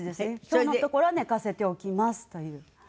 「今日のところは寝かせておきます」という。